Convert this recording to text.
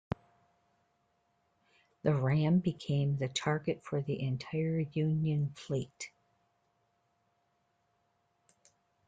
The ram became the target for the entire Union fleet.